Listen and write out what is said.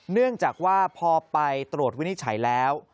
เนื่องจากว่าพอไปตรวจวินิจฉัยแล้ว